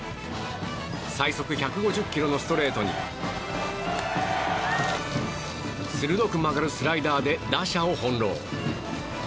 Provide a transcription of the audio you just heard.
最速１５０キロのストレートに鋭く曲がるスライダーで打者を翻弄。